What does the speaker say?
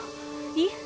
いい？